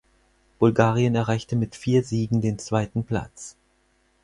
Bulgarien erreichte mit vier Siegen den zweiten Platz.